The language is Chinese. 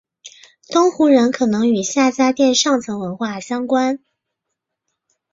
东胡人可能与夏家店上层文化相关。